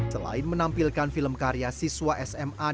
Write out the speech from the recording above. selain menampilkan film karya siswa sma dan smk